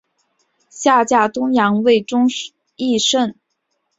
下嫁东阳尉申翊圣。